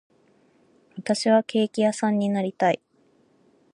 私はケーキ屋さんになりたい